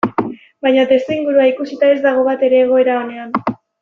Baina testuingurua ikusita ez dago batere egoera onean.